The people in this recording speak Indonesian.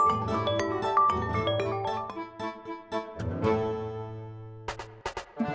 sampai jumpa lagi